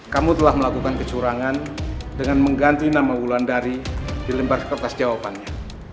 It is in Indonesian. kamu telah melakukan kecurangan dengan mengganti nama wulandari di lembar kertas jawabannya